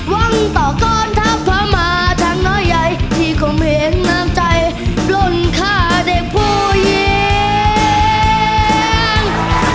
ว้องต่อกรทัพพระมาทักน้อยใหญ่ที่คงเหมือนน้ำใจล้นฆ่าเด็กผู้เยี่ยง